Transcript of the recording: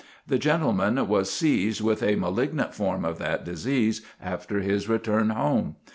The gentleman was seized with a malignant form of that disease after his return home.